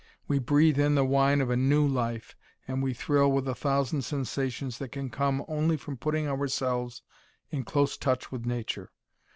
We breathe in the wine of a new life, and we thrill with a thousand sensations that can come only from putting ourselves in close touch with Nature.